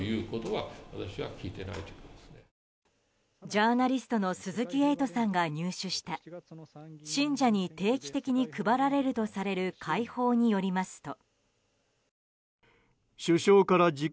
ジャーナリストの鈴木エイトさんが入手した信者に定期的に配られるとされる会報によりますと。